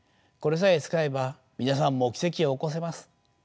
これさえ使えば皆さんも奇跡は起こせます。